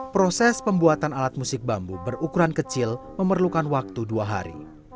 proses pembuatan alat musik bambu berukuran kecil memerlukan waktu dua hari